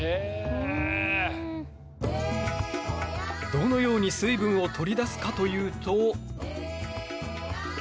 どのように水分を取り出すかというと。